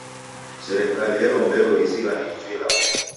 Serikali yalombelo izighane ijo ilagho.